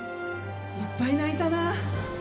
いっぱい泣いたな。